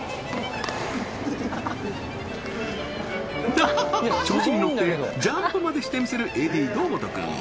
ダハハハ調子に乗ってジャンプまでしてみせるＡＤ堂本君